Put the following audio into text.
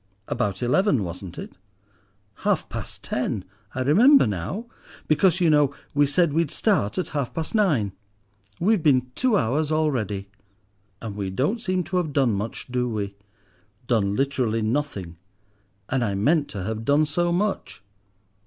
"About eleven, wasn't it?" "Half past ten. I remember now; because, you know, we said we'd start at half past nine. We've been two hours already!" "And we don't seem to have done much, do we?" "Done literally nothing, and I meant to have done so much.